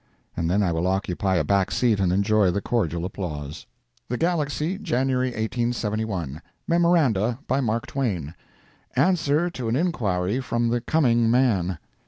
And then I will occupy a back seat and enjoy the cordial applause. THE GALAXY, January 1871 MEMORANDA. BY MARK TWAIN. ANSWER TO AN INQUIRY FROM THE COMING MAN.